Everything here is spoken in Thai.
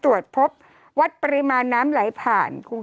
โทษทีน้องโทษทีน้อง